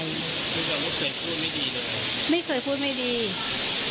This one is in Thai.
คุณบอกว่าลูกเคยพูดไม่ดีหรือเปล่า